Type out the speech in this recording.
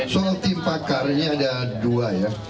soal tim pakar ini ada dua ya